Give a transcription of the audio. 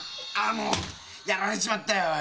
もうやられちまったよおい